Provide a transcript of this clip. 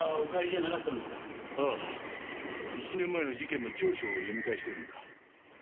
１年前の事件の調書を読み返しているんだ。